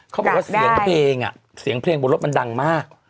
เขาบอกว่าเสียงเพลงเสียงเพลงบนรถมันดังมาก